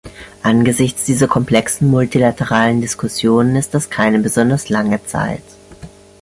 Angesichts dieser komplexen multilateralen Diskussionen ist das keine besonders lange Zeit.